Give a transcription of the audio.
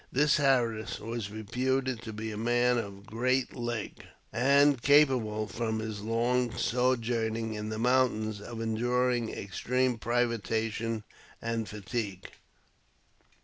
This Harris was reputed to be a man of " great leg," * and capable, from his long sojourning in the mountains, of enduring extreme privation and fatigae.